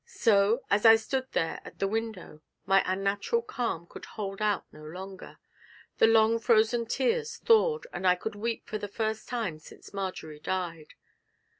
So, as I stood there at the window, my unnatural calm could hold out no longer; the long frozen tears thawed, and I could weep for the first time since Marjory died.